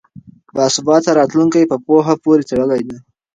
باثباته راتلونکی په پوهه پورې تړلی دی.